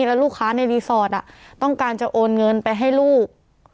แล้วลูกค้าในรีสอร์ทต้องการจะโอนเงินไปให้ลูก